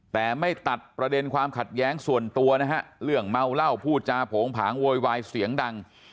แต่ไม่ตัดประเด็นความขัดแย้งส่วนตัวนะฮะเรื่องเมาเหล้าพูดจาโผงผางโวยวายเสียงดัง